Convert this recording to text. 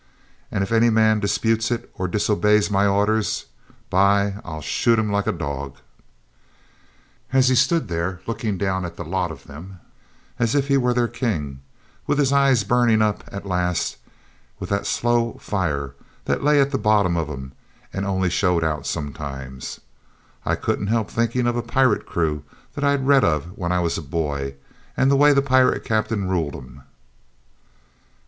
And if any man disputes it or disobeys my orders, by , I'll shoot him like a dog.' As he stood there looking down on the lot of 'em, as if he was their king, with his eyes burning up at last with that slow fire that lay at the bottom of 'em, and only showed out sometimes, I couldn't help thinking of a pirate crew that I'd read of when I was a boy, and the way the pirate captain ruled 'em.